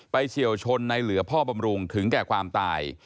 เฉียวชนในเหลือพ่อบำรุงถึงแก่ความตาย